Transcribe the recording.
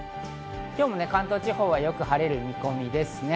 今日も関東地方はよく晴れる見込みです。